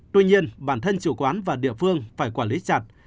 tuy nhiên bản thân chủ quán và địa phương phải quản lý chặt